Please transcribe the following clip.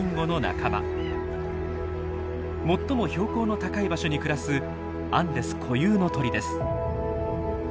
最も標高の高い場所に暮らすアンデス固有の鳥です。